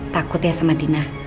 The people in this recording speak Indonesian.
takut ya sama dina